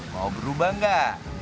mau berubah gak